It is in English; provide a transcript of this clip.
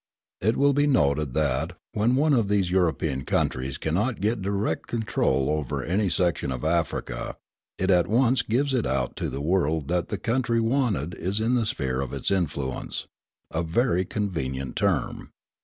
It will be noted that, when one of these European countries cannot get direct control over any section of Africa, it at once gives it out to the world that the country wanted is in the "sphere of its influence," a very convenient term.